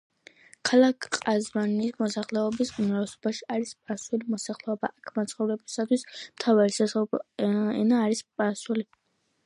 ქალაქ ყაზვინის მოსახლეობის უმრავლესობაში არის სპარსული მოსახლეობა, აქ მცხოვრებთათვის მთავარი სასაუბრო ენა არის სპარსული.